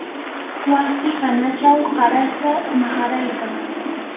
wasi hanachaw qaratsa maharaykan